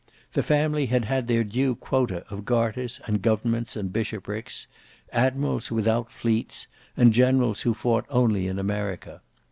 The family had had their due quota of garters and governments and bishoprics; admirals without fleets, and generals who fought only in America.